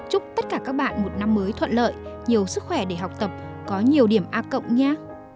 chúc tất cả các bạn một năm mới thuận lợi nhiều sức khỏe để học tập có nhiều điểm a cộng nha